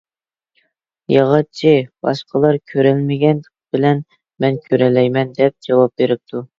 ياغاچچى: «باشقىلار كۆرەلمىگەن بىلەن مەن كۆرەلەيمەن» دەپ جاۋاب بېرىپتۇ.